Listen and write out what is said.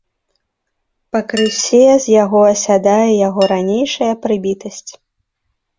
Пакрысе з яго асядае яго ранейшая прыбітасць.